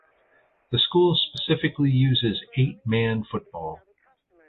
The school specifically uses eight man football.